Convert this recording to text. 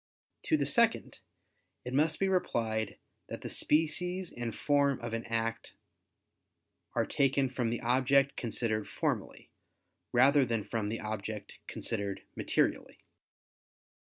To the second, it must be replied that the species and form of an act are taken from the object considered formally, rather than from the object considered materially.